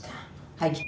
はい」